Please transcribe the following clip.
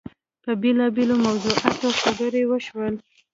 په بېلابېلو موضوعاتو خبرې وشوې.